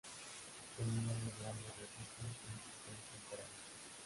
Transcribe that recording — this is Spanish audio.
Teniendo unos grandes registros en sus tres temporadas.